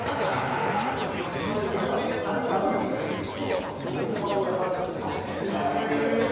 これ実は軽く炙って頂けると海苔の香りがふわっとするのでおかのりっていわれてる。